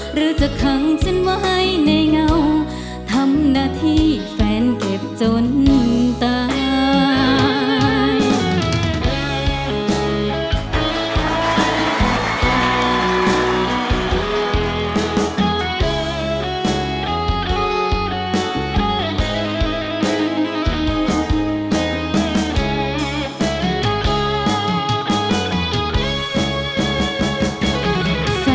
หรือจะขังฉันไว้ในเงาทำหน้าที่แฟนเก็บจนตาย